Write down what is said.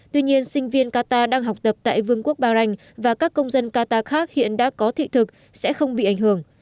tuy nhiên sinh viên qatar đang học tập tại vương quốc bahrain và các công dân qatar khác hiện đã có thị thực sẽ không bị ảnh hưởng